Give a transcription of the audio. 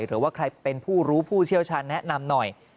หรือว่าใครเป็นผู้รู้ผู้เชี่ยวชาญแนะนำหน่อย